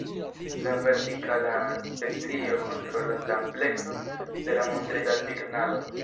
La vertikala sekcio kontrolas la amplekson de la montrita signalo.